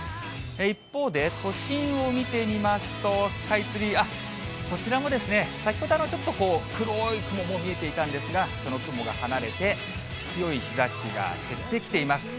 一方で、都心を見てみますと、スカイツリー、こちらも先ほどちょっと黒い雲も見えていたんですが、その雲が離れて、強い日ざしが照ってきています。